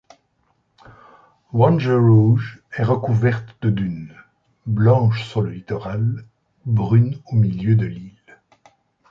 Wangerooge est recouverte de dunes, blanches sur le littoral, brunes au milieu de l'île.